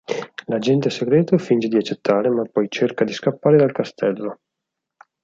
L'agente segreto finge di accettare ma poi cerca di scappare dal castello.